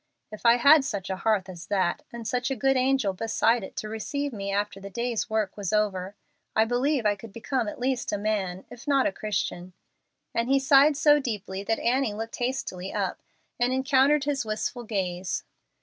If I had such a hearth as that, and such a good angel beside it to receive me after the day's work was over, I believe I could become at least a man, if not a Christian;" and he sighed so deeply that Annie looked hastily up, and encountered his wistful gaze.